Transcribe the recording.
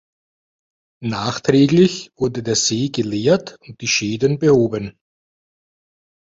Nachträglich wurde der See geleert und die Schäden behoben.